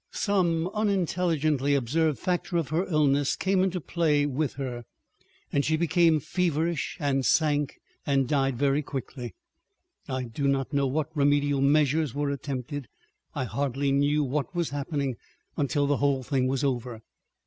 Some unintelligently observed factor of her illness came into play with her, and she became feverish and sank and died very quickly. I do not know what remedial measures were attempted. I hardly knew what was happening until the whole thing was over.